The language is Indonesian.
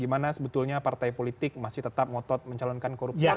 gimana sebetulnya partai politik masih tetap ngotot mencalonkan korupsor